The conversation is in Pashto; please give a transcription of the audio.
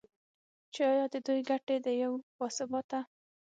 چې ایا د دوی ګټې د یو با ثباته